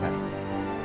pada ya pak